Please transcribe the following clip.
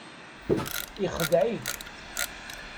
Ixdeɛ-ik.